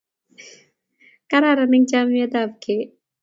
kararan eng chametap kei